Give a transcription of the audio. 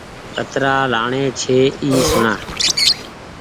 ڪترآ لآڻي ڇي سوڻآ